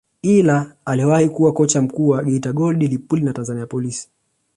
ila aliwahi kuwa kocha mkuu wa Geita Gold Lipuli na Polisi Tanzania